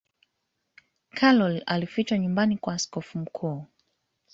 karol alifichwa nyumbani kwa askofu mkuu